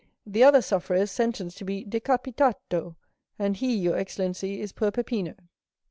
The other sufferer is sentenced to be decapitato;4 and he, your excellency, is poor Peppino."